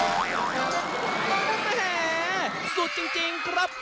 อ้าวแม่แห่สุดจริงครับ